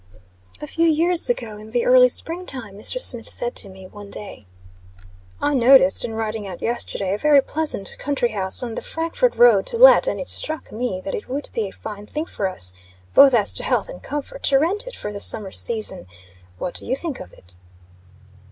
A few years ago, in the early spring time, Mr. Smith said to me, one day: "I noticed, in riding out yesterday, a very pleasant country house on the Frankford Road, to let, and it struck me that it would be a fine thing for us, both as to health and comfort, to rent it for the summer season. What do you think of it?"